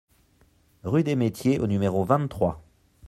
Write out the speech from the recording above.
Rue des Metiers au numéro vingt-trois